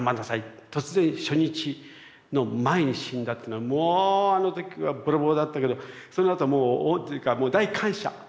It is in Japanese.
突然初日の前に死んだっていうのはもうあの時はボロボロだったけどそのあともう大感謝。